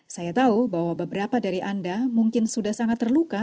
saya tahu bahwa beberapa dari anda mungkin sudah sangat terluka